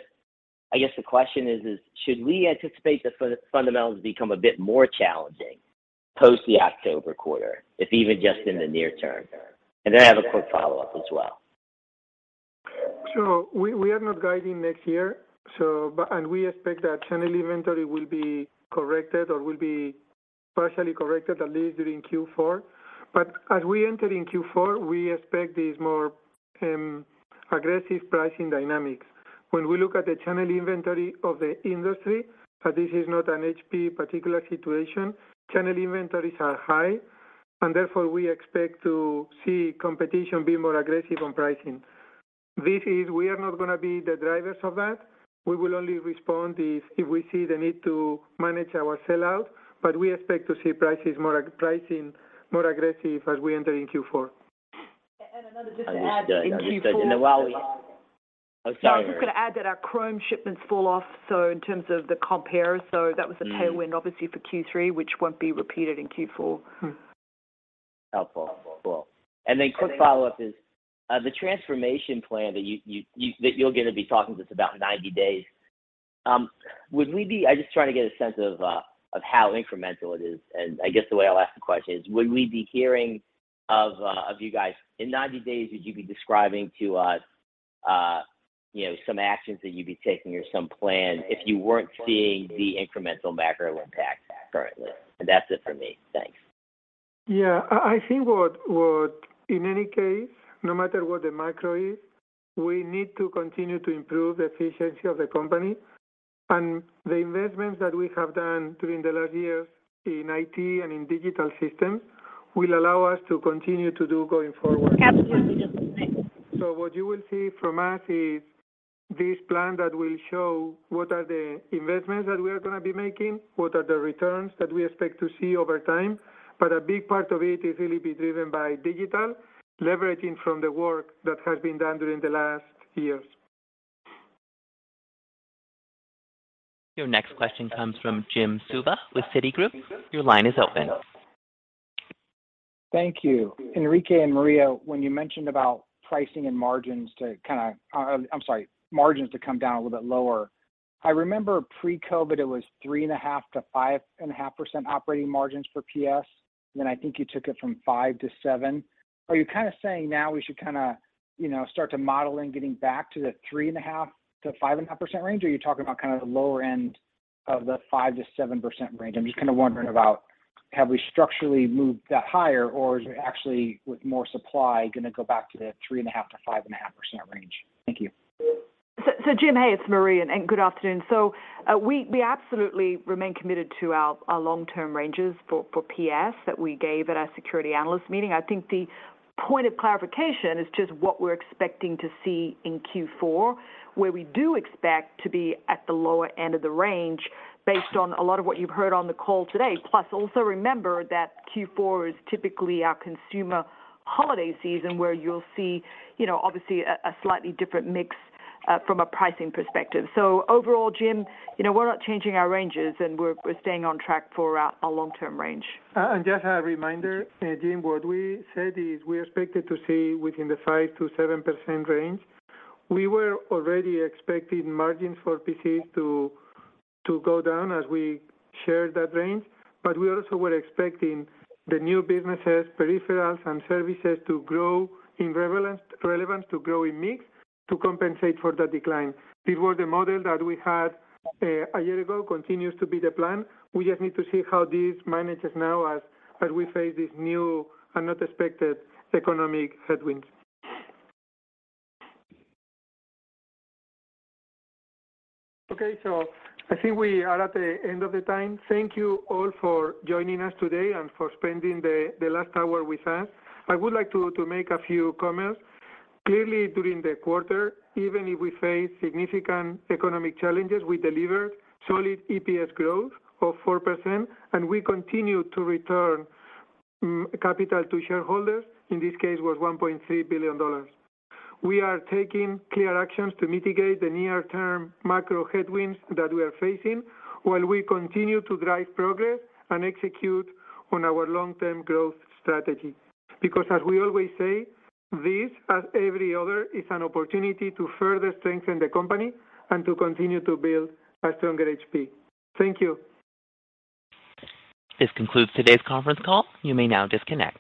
the question is, should we anticipate the fundamentals become a bit more challenging post the October quarter, if even just in the near term? I have a quick follow-up as well. We are not guiding next year, and we expect that channel inventory will be corrected or will be partially corrected at least during Q4. As we enter in Q4, we expect these more aggressive pricing dynamics. When we look at the channel inventory of the industry, so this is not an HP particular situation, channel inventories are high, and therefore we expect to see competition be more aggressive on pricing. This is. We are not gonna be the drivers of that. We will only respond if we see the need to manage our sell-out, but we expect to see pricing more aggressive as we enter in Q4. Ananda, just to add, in Q4. Understood. Oh, sorry. No, I was gonna add that our ChromeOS shipments fall off, so in terms of the comp, so that was a tailwind obviously for Q3, which won't be repeated in Q4. Helpful. Cool. Quick follow-up is, the transformation plan that you'll gonna be talking to us about in 90 days, would we be? I'm just trying to get a sense of how incremental it is, and I guess the way I'll ask the question is, would we be hearing of you guys in 90 days, would you be describing to us, you know, some actions that you'd be taking or some plan if you weren't seeing the incremental macro impact currently? That's it for me. Thanks. In any case, no matter what the macro is, we need to continue to improve the efficiency of the company, and the investments that we have done during the last years in IT and in digital systems will allow us to continue to do going forward. Absolutely. Thanks. What you will see from us is this plan that will show what are the investments that we are gonna be making, what are the returns that we expect to see over time, but a big part of it is really be driven by digital, leveraging from the work that has been done during the last years. Your next question comes from Jim Suva with Citigroup, your line is open. Thank you. Enrique and Marie, when you mentioned about pricing and margins to come down a little bit lower. I remember pre-COVID it was 3.5%-5.5% operating margins for PS, then I think you took it from 5%-7%. Are you kinda saying now we should kinda, you know, start to model in getting back to the 3.5%-5.5% range, or are you talking about kind of the lower end of the 5%-7% range? I'm just kinda wondering about have we structurally moved that higher, or is it actually with more supply gonna go back to the 3.5%-5.5% range? Thank you. Jim, hey, it's Marie, good afternoon. We absolutely remain committed to our long-term ranges for PS that we gave at our securities analyst meeting. I think the point of clarification is just what we're expecting to see in Q4, where we do expect to be at the lower end of the range based on a lot of what you've heard on the call today. Also remember that Q4 is typically our consumer holiday season, where you'll see, you know, obviously a slightly different mix from a pricing perspective. Overall, Jim, you know, we're not changing our ranges, and we're staying on track for our long-term range. Just a reminder, Jim, what we said is we expected to see within the 5%-7% range. We were already expecting margins for PCs to go down as we shared that range, but we also were expecting the new businesses, peripherals, and services to grow in relevance, to grow in mix to compensate for the decline. This was the model that we had a year ago, continues to be the plan. We just need to see how this manages now as we face this new and not expected economic headwinds. Okay. I think we are at the end of the time. Thank you all for joining us today and for spending the last hour with us. I would like to make a few comments. Clearly during the quarter, even if we face significant economic challenges, we delivered solid EPS growth of 4%, and we continue to return capital to shareholders. In this case it was $1.3 billion. We are taking clear actions to mitigate the near-term macro headwinds that we are facing while we continue to drive progress and execute on our long-term growth strategy. Because as we always say, this, as every other, is an opportunity to further strengthen the company and to continue to build a stronger HP. Thank you. This concludes today's conference call. You may now disconnect.